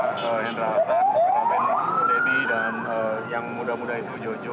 hendra aslan ben odebi dan yang muda muda itu jojo